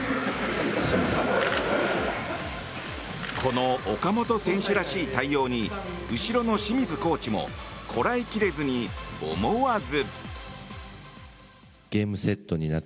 この岡本選手らしい対応に後ろの清水コーチもこらえきれずに、思わず。